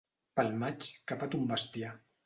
Pel maig capa ton bestiar.